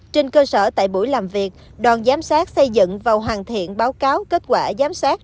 trên cơ sở tại buổi làm việc đoàn giám sát xây dựng và hoàn thiện báo cáo kết quả giám sát